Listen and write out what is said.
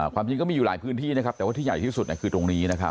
ความจริงก็มีอยู่หลายพื้นที่นะครับแต่ว่าที่ใหญ่ที่สุดคือตรงนี้นะครับ